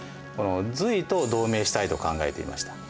隋と同盟したいと考えていました。